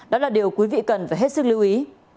đó là điều quý vị cần phải hết sức lưu ý